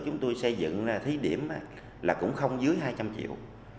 chúng tôi xây dựng thí điểm là cũng không dưới hai trăm linh triệu